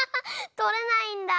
とれないんだ！